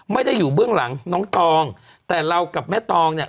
ไม่ได้อยู่เบื้องหลังน้องตองแต่เรากับแม่ตองเนี่ย